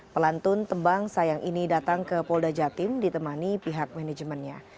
pelantun tembang sayang ini datang ke polda jatim ditemani pihak manajemennya